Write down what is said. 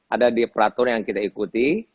ada di peraturan yang kita ikuti